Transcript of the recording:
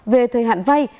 về thời hạn vay